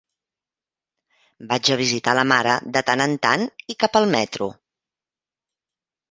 Vaig a visitar la mare de tant en tant i cap al metro!